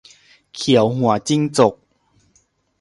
เขียวหัวจิ้งจก